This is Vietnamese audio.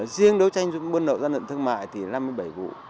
riêng đối tranh buôn lậu và gian lận thương mại thì năm mươi bảy vụ